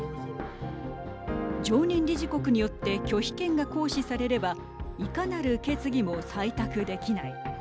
常任理事国によって拒否権が行使されればいかなる決議も採択できない。